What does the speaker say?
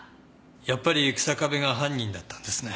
やっぱり日下部が犯人だったんですね。